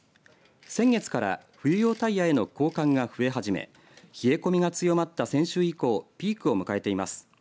先月から冬用タイヤへの交換が増え始め冷え込みが強まった先週以降ピークを迎えています。